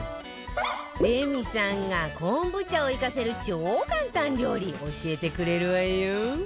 レミさんがこんぶ茶を生かせる超簡単料理教えてくれるわよ